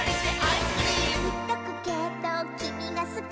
「いっとくけどきみがすき」